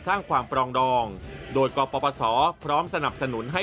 สร้างความปรองดองโดยกปศพร้อมสนับสนุนให้